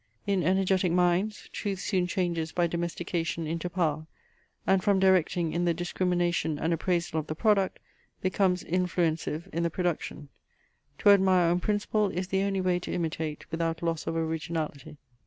In energetic minds, truth soon changes by domestication into power; and from directing in the discrimination and appraisal of the product, becomes influencive in the production. To admire on principle, is the only way to imitate without loss of originality.